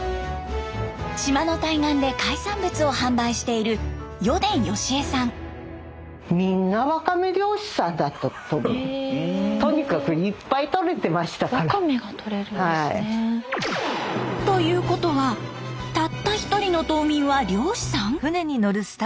島の対岸で海産物を販売している余傳吉恵さん。ということはたった１人の島民は漁師さん？